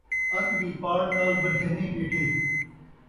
اَک دی پاڑ نال ٻدھے نئیں ٻیٹھے